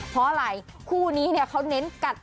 เพราะอะไรคู่นี้เนี่ยเขาเน้นกัด